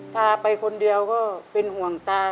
พาไปคนเดียวก็เป็นห่วงตา